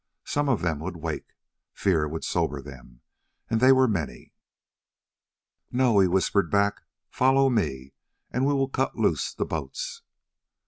Some of them would wake—fear would sober them, and they were many. "No," he whispered back. "Follow me, we will cut loose the boats."